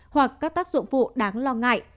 hoặc các tác dụng vụ đáng lo ngại